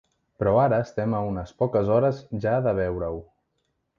Però ara estem a una poques hores ja de veure-ho.